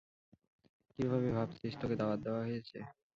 কিভাবে ভাবছিস, তোকে দাওয়াত দেওয়া হয়েছে?